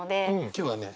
今日はね